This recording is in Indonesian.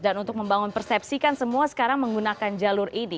dan untuk membangun persepsi kan semua sekarang menggunakan jalur ini